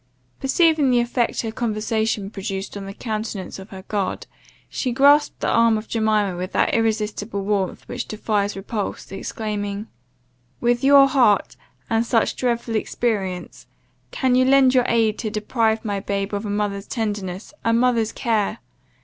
Perceiving the effect her conversation produced on the countenance of her guard, she grasped the arm of Jemima with that irresistible warmth which defies repulse, exclaiming "With your heart, and such dreadful experience, can you lend your aid to deprive my babe of a mother's tenderness, a mother's care?